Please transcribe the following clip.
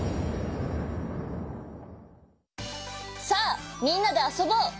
さあみんなであそぼう！